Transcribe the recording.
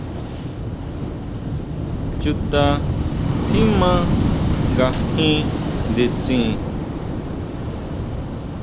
¿Chuta tjiman ngajin nditsin?